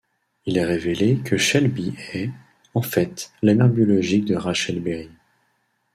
Il est révélé que Shelby est, en fait, la mère biologique de Rachel Berry.